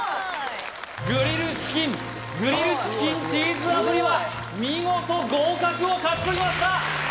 グリルチキン・グリルチキンチーズ炙りは見事合格を勝ち取りました！